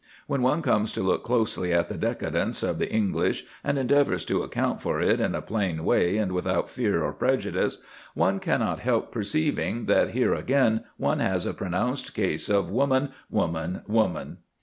When one comes to look closely at the decadence of the English, and endeavours to account for it in a plain way and without fear or prejudice, one cannot help perceiving that here again one has a pronounced case of woman, woman, woman.